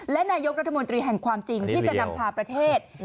และนายกรัฐมนตรีแห่งความจริงที่จะนำพาประเทศ